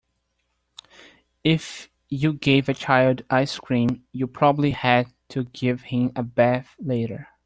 If you give a child ice cream, you'll probably have to give him a bath later.